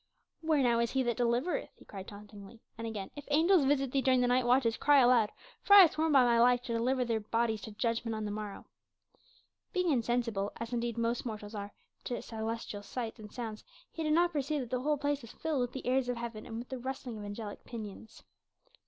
"Where now is he that delivereth?" he cried tauntingly. And again, "If angels visit thee during the night watches cry aloud, for I have sworn by my life to deliver thy bodies to judgment on the morrow." Being insensible as indeed are most mortals to celestial sights and sounds he did not perceive that the whole place was filled with the airs of heaven and with the rustling of angelic pinions.